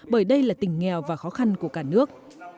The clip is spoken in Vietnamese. bởi đây là tỉnh nghèo và khó khăn của cả nước